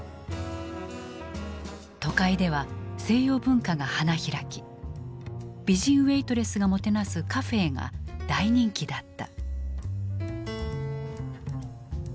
都会では西洋文化が花開き美人ウエートレスがもてなすカフェーが大人気だった。